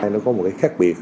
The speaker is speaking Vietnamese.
nó có một cái khác biệt